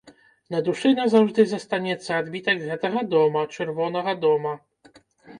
На душы назаўжды застанецца адбітак гэтага дома, чырвонага дома.